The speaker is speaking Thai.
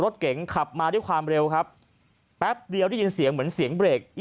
รถเก๋งขับมาด้วยความเร็วครับแป๊บเดียวได้ยินเสียงเหมือนเสียงเบรก